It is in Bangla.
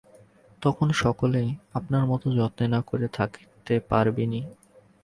তখন সকলকে আপনার মত যত্ন না করে থাকতে পারবিনি।